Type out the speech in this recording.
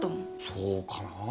そうかなぁ？